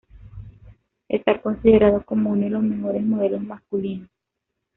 Está considerado como uno de los mejores modelos masculinos.